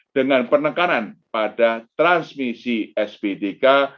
dengan penekanan pada transmisi spdk